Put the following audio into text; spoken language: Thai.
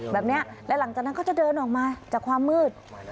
แบบนี้และหลังจากนั้นก็จะเดินออกมาจากความมืด